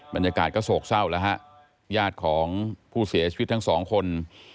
บรรยากาศก็โศกเศร้าแล้วฮะญาติของผู้เสียชีวิตทั้งสองคน